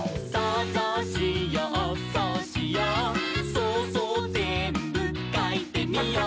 「そうそうぜんぶかいてみよう」